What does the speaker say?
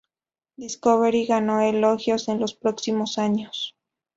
Discovery ganó elogios en los próximos años.